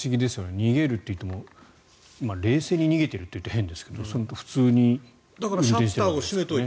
逃げるっていっても冷静に逃げてるっていうと変ですけど普通に運転していて。